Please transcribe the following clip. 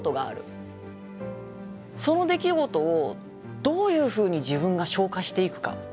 その出来事をどういうふうに自分が消化していくか。